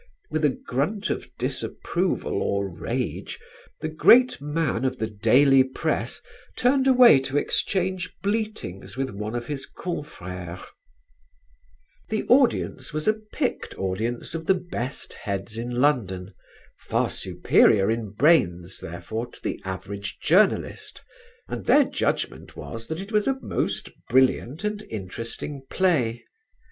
With a grunt of disapproval or rage the great man of the daily press turned away to exchange bleatings with one of his confrères. The audience was a picked audience of the best heads in London, far superior in brains therefore to the average journalist, and their judgment was that it was a most brilliant and interesting play.